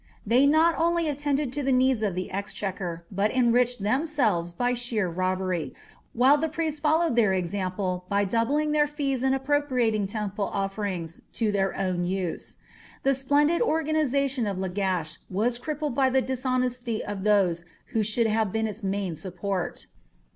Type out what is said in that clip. They not only attended to the needs of the exchequer, but enriched themselves by sheer robbery, while the priests followed their example by doubling their fees and appropriating temple offerings to their own use. The splendid organization of Lagash was crippled by the dishonesty of those who should have been its main support.